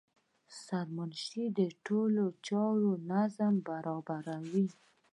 سرمنشي د ټولو چارو نظم برابروي.